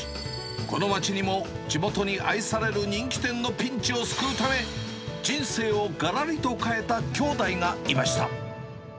この街にも地元に愛される人気店のピンチを救うため、人生をがらりと変えた兄弟がいました。